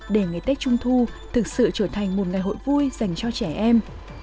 để ngày tết trung thu thực sự trở thành một ngày hội vui dành cho trẻ em